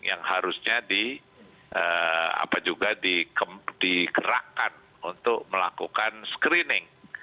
yang harusnya dikerahkan untuk melakukan screening